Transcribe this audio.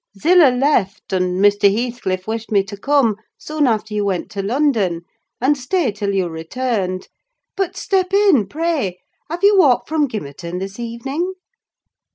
"Zillah left, and Mr. Heathcliff wished me to come, soon after you went to London, and stay till you returned. But, step in, pray! Have you walked from Gimmerton this evening?"